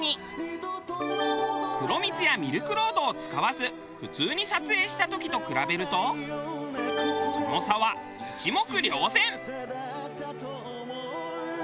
黒蜜やミルクロードを使わず普通に撮影した時と比べるとその差は一目瞭然。